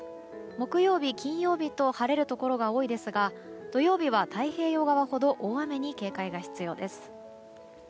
木曜日、金曜日と晴れるところが多いですが土曜日は太平洋側ほど大雨に警戒が必要です。